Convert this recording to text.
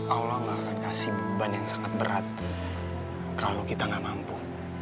allah gak akan kasih beban yang sangat berat kalau kita nggak mampu